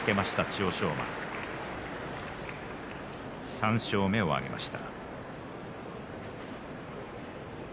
３勝目を挙げました。